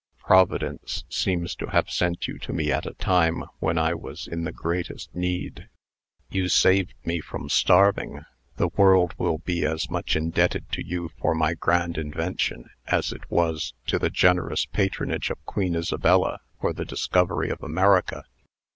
Providence seems to have sent you to me at a time when I was in the greatest need. You saved me from starving. The world will be as much indebted to you for my grand invention, as it was to the generous patronage of Queen Isabella for the discovery of America."